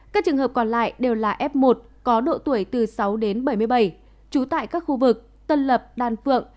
các trường hợp còn lại đều là f một có độ tuổi từ sáu đến bảy mươi bảy trú tại các khu vực tân lập đan phượng